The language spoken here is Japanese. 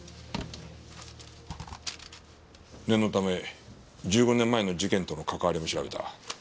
念のため１５年前の事件との関わりも調べた。